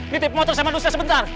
ditip motor sama duster sebentar